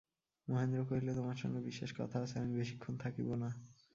মহেন্দ্র কহিল, তোমার সঙ্গে বিশেষ কথা আছে–আমি বেশিক্ষণ থাকিব না।